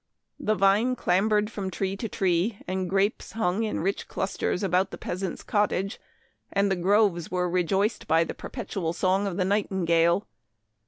The vine clambered from tree to tree, the grapes hung in rich clusters about the peasant's cottage, and the groves were rejoiced by the perpetual song of the nightingale.